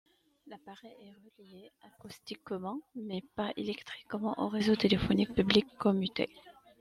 L'appareil est relié acoustiquement, mais pas électriquement au réseau téléphonique public commuté.